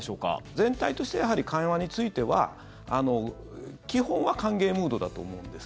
全体としてはやはり緩和については基本は歓迎ムードだと思うんです。